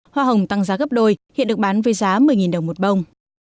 hoa hồng tăng giá gấp đôi hiện được bán với giá một mươi đồng một bông